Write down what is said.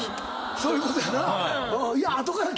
そういうことやな。